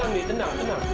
tenang di tenang tenang